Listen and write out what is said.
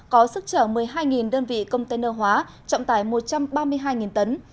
có sức trở một mươi hai đơn vị container hóa trọng tải một trăm ba mươi hai tấn